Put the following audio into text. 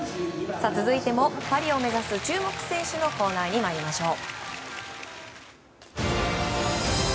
続いてもパリを目指す注目選手のコーナーに参りましょう。